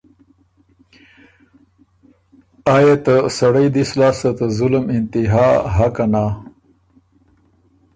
آ يې ته سړئ دِس لاسته ته ظلم انتها هۀ که نا۔